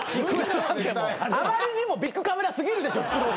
あまりにもビックカメラ過ぎるでしょ袋が。